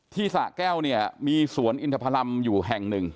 สะแก้วเนี่ยมีสวนอินทพรรมอยู่แห่งหนึ่ง